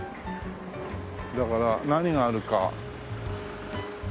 だから何があるか。